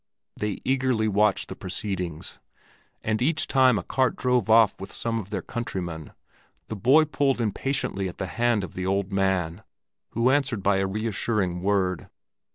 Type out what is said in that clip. They eagerly watched the proceedings, and each time a cart drove off with some of their countrymen, the boy pulled impatiently at the hand of the old man, who answered by a reassuring word.